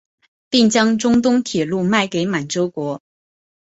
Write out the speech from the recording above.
并将中东铁路卖给满洲国。